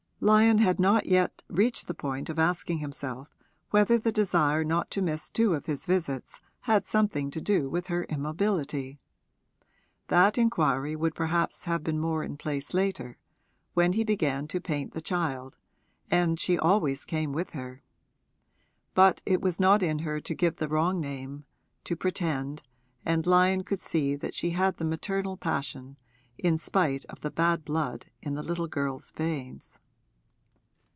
Lyon had not yet reached the point of asking himself whether the desire not to miss two of his visits had something to do with her immobility. That inquiry would perhaps have been more in place later, when he began to paint the child and she always came with her. But it was not in her to give the wrong name, to pretend, and Lyon could see that she had the maternal passion, in spite of the bad blood in the little girl's veins.